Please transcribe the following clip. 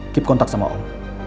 keep kontak sama om